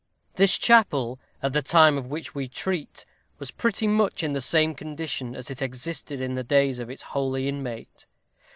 This chapel, at the time of which we treat, was pretty much in the same condition as it existed in the days of its holy inmate.